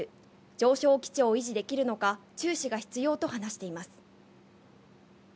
上昇基調を維持できるのか注視が必要と話しています。